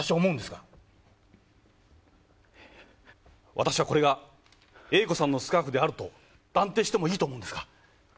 わたしはこれがＡ子さんのスカーフであると断定してもいいと思うんですが。